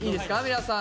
皆さん。